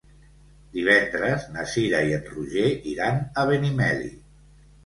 Divendres na Cira i en Roger iran a Benimeli.